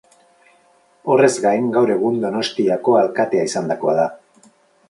Horrez gain, gaur egun Donostiako alkatea izandakoa da.